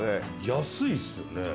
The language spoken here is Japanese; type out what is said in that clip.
安いっすよね。